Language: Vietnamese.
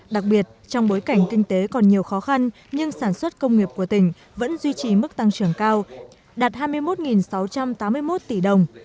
đặc biệt trong bối cảnh kinh tế còn nhiều khó khăn nhưng sản xuất công nghiệp của tỉnh vẫn duy trì mức tăng trưởng cao đạt hai mươi một sáu trăm tám mươi một tỷ đồng